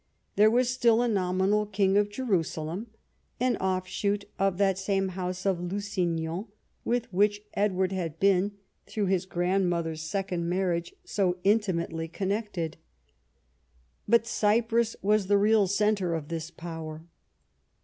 There was still a nominal King of Jerusalem, an offshoot of that same house of Lusignan with which Edward had been, through his grandmother's second marriage, so intimately connected. But Cyprus was the real centre of this power.